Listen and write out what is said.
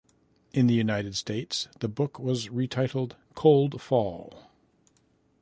In the United States, the book was retitled "Cold Fall".